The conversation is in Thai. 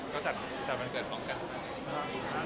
ก็จัดวันเกิดพร้อมกัน